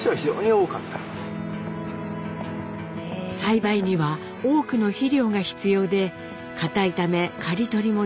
栽培には多くの肥料が必要でかたいため刈り取りも重労働。